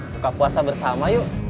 buka puasa bersama yuk